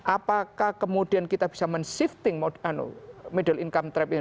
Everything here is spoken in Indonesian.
apakah kemudian kita bisa men shifting middle income trap ini